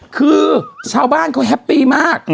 คือชาวบ้านเขาแฮปปี้มาก